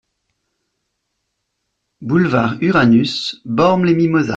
Boulevard Uranus, Bormes-les-Mimosas